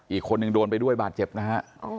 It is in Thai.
อีกคนนึงโดนไปด้วยบาดเจ็บนะฮะ